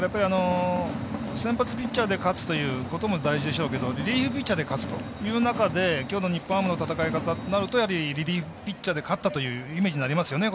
先発ピッチャーで勝つということも大事でしょうけどリリーフピッチャーで勝つという中できょうの日本ハムの戦い方となるとリリーフピッチャーで勝ったというイメージになりますよね。